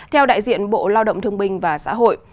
theo đại diện bộ lao động thương binh và xã hội